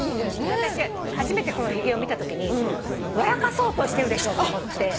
私初めてこのひげを見たときに笑かそうとしてるでしょって思って。